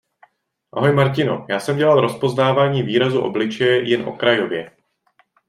Ahoj Martino, já jsem dělal rozpoznávání výrazu obličeje jen okrajově.